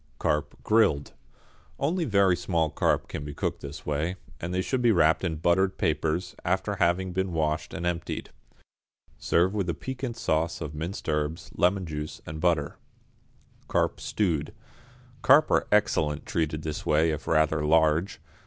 =Carp, Grilled.= Only very small carp can be cooked this way, and they should be wrapped in buttered papers, after having been washed and emptied. Serve with a piquant sauce of minced herbs, lemon juice and butter. =Carp, Stewed.= Carp are excellent treated this way if rather large.